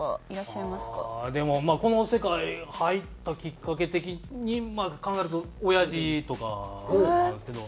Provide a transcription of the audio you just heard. でもまあこの世界入ったきっかけ的に考えるとおやじとかなんですけど。